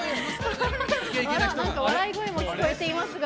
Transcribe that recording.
笑い声も聞こえていますが。